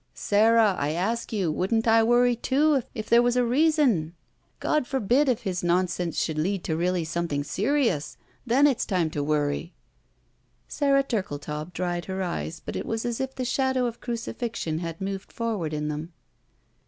"Sara, I adc you, wouldn't I worry, too, if there was a reason? God forbid if his nonsense should lead to really something serious, then it's time to worry." Sara Turkletaub dried her eyes, but it was as if the shadow of crucifixion had moved forward in them.